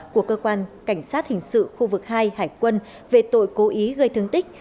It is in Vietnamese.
của cơ quan cảnh sát hình sự khu vực hai hải quân về tội cố ý gây thương tích